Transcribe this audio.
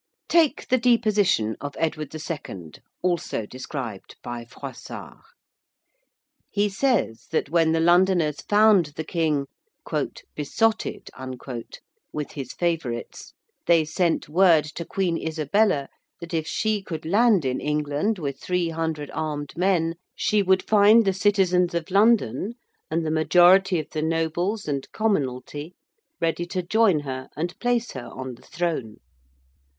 Take the deposition of Edward II., also described by Froissart. He says that when the Londoners found the King 'besotted' with his favourites, they sent word to Queen Isabella that if she could land in England with 300 armed men she would find the citizens of London and the majority of the nobles and commonalty ready to join her and place her on the Throne.